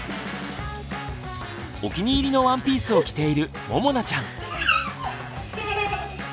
お気に入りのワンピースを着ているももなちゃん。